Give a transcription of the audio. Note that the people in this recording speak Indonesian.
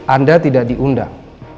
anda tidak diundang